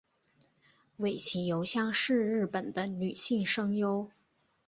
尾崎由香是日本的女性声优。